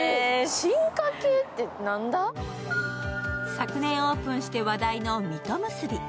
昨年オープンして話題の水戸むすび。